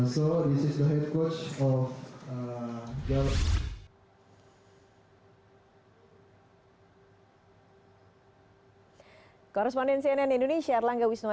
kedua klub ini jokowi dan jokowi memiliki peluang yang sama